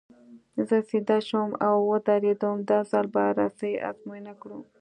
زه سیده شوم او ودرېدم، دا ځل به رسۍ ازموینه کړو.